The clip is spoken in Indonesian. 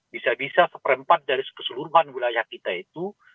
bisa bisa seperempat dari keseluruhan wilayah kita itu